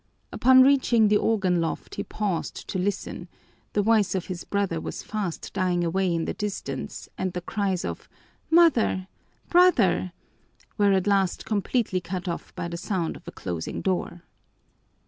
Upon reaching the organ loft he paused to listen; the voice of his brother was fast dying away in the distance and the cries of "Mother! Brother!" were at last completely cut off by the sound of a closing door.